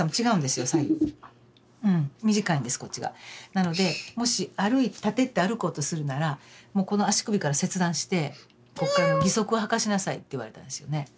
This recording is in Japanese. なのでもし立てって歩こうとするならもうこの足首から切断してこっから義足をはかしなさいって言われたんですよね。